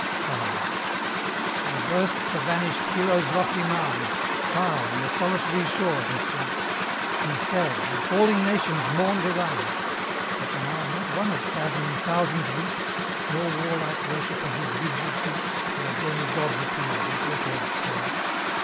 V. Or burst the vanished hero's lofty mound; Far on the solitary shore he sleeps; He fell, and falling nations mourned around; But now not one of saddening thousands weeps, Nor warlike worshipper his vigil keeps Where demi gods appeared, as records tell.